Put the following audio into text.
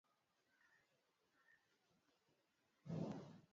Kuuza nyama ya mbwa na fisi nje ya Kenya